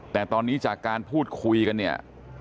แต่ตอนนี้จากการพูดคุยกันเนี่ย